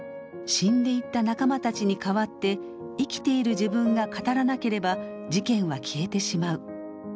死んでいった仲間たちに代わって「生きている自分が語らなければ事件は消えてしまう」。